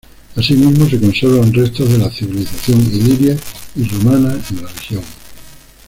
Asimismo se conservan restos de las civilización iliria y romana en la región.